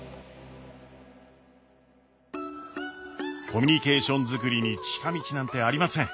コミュニケーションづくりに近道なんてありません。